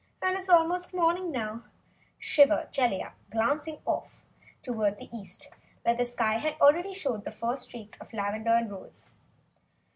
"And it's almost morning now," shivered Jellia, glancing off toward the East where the sky already showed the first streaks of lavender and rose.